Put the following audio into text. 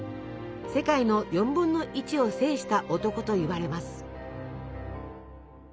世界の４分の１を制した男といわれます。